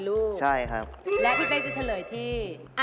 ร้อยไหมคะ